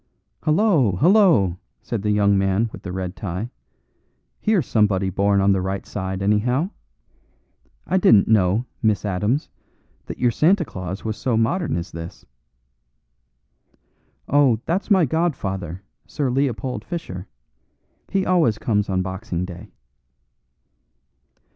"Hullo, hullo!" said the young man with the red tie, "here's somebody born on the right side, anyhow. I didn't know, Miss Adams, that your Santa Claus was so modern as this." "Oh, that's my godfather, Sir Leopold Fischer. He always comes on Boxing Day."